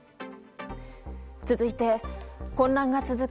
続いて、混乱が続く